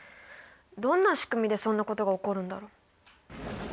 どんなしくみでそんなことが起こるんだろう？